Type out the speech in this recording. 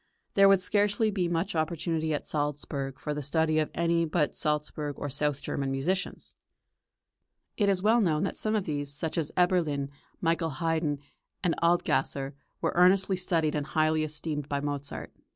There would scarcely be much opportunity at Salzburg for the study of any but Salzburg or south German musicians. It is well known that some of these, such as Eberlin, Michael Haydn, and Adlgasser, were earnestly studied and highly esteemed by Mozart.